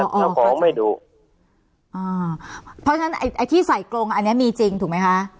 เจ้าของไม่ดุอ่าเพราะฉะนั้นไอ้ไอ้ที่ใส่กรงอันเนี้ยมีจริงถูกไหมคะ